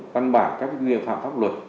văn bản các nghiệp phạm pháp luật